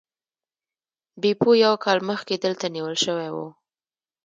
بیپو یو کال مخکې دلته نیول شوی و.